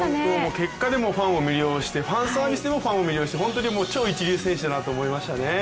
結果でもファンを魅了してファンサービスでもファンを魅了して超一流選手だなと思いました。